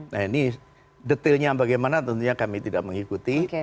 nah ini detailnya bagaimana tentunya kami tidak mengikuti